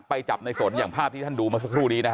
ไปจับในสนอย่างภาพที่ท่านดูเมื่อสักครู่นี้นะฮะ